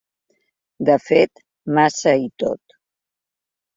De fet, massa i tot.